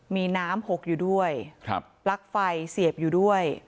มีน้ำหกอยู่ด้วยปลั๊กไฟเสียบอยู่ด้วย